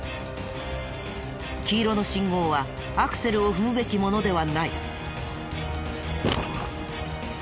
黄色の信号はアクセルを踏むべきものではない。